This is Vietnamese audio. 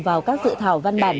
vào các sự thảo văn bản